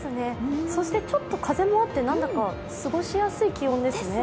そしてちょっと風もあってなんだか過ごしやすい気温ですね。